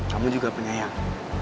kamu juga penyayang